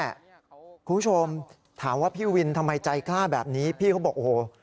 คุณผู้ชมถามว่าพี่วินทำไมใจกล้าแบบนี้พี่เขาบอกโอ้โห